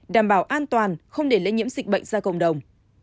đảm bảo an toàn không để lây nhiễm dịch bệnh ra cộng đồng